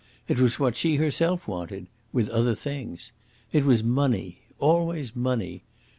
It was what she herself wanted with other things. It was money always money.